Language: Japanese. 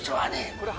これ。